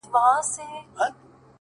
• يه پر ما گرانه ته مي مه هېروه؛